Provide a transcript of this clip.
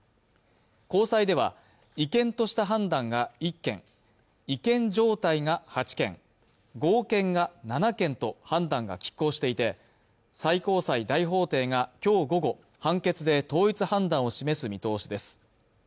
高裁では違憲とした判断が１件違憲状態が８件合憲が７件と判断が拮抗していて最高裁大法廷がきょう午後判決で統一判断を示す見通しです